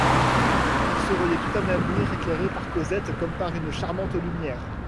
Il se voyait tout un avenir éclairé par Cosette comme par une charmante lumière.